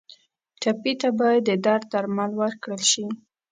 ټپي ته باید د درد درمل ورکړل شي.